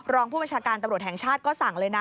รองผู้บัญชาการตำรวจแห่งชาติก็สั่งเลยนะ